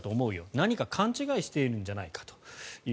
何か勘違いしてるんじゃないかと。